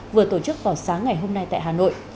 vừa tổ chức vào sáng ngày hôm nay tại hà nội